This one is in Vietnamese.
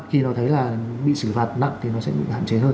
khi nó thấy là bị xử phạt nặng thì nó sẽ bị hạn chế hơn